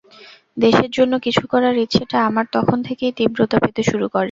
দেশের জন্য কিছু করার ইচ্ছেটা আমার তখন থেকেই তীব্রতা পেতে শুরু করে।